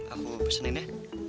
aku pesenin ya